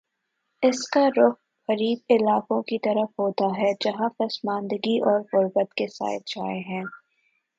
اس کا رخ غریب علاقوں کی طرف ہوتا ہے، جہاں پسماندگی اور غربت کے سائے چھائے ہیں۔